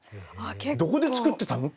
どこで作ってたの？